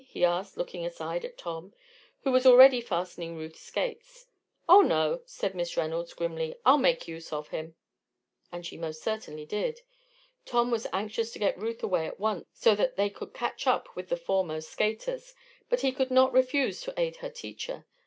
he asked, looking aside at Tom, who was already fastening Ruth's skates. "Oh, no," said Miss Reynolds, grimly. "I'll make use of him!" And she most certainly did. Tom was anxious to get Ruth away at once so that they could catch up with the foremost skaters; but he could not refuse to aid her teacher.